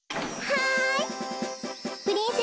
はい。